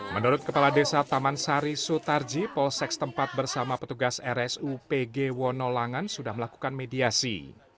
menurut kepala desa taman sari sutarji polsek setempat bersama petugas rsu pg wonolangan sudah melakukan mediasi